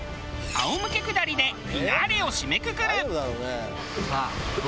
仰向け下りでフィナーレを締めくくる。